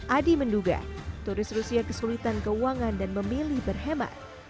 adi menduga turis rusia kesulitan keuangan dan memilih berhemat